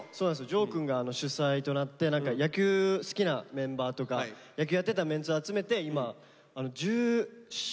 丈くんが主催となって何か野球好きなメンバーとか野球やってたメンツ集めて今１４人ぐらい。